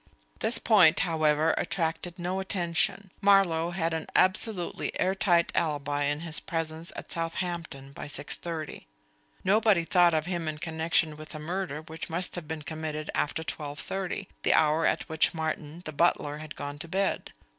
This point, however, attracted no attention. Marlowe had an absolutely air tight alibi in his presence at Southampton by six thirty; nobody thought of him in connection with a murder which must have been committed after twelve thirty the hour at which Martin, the butler, had gone to bed.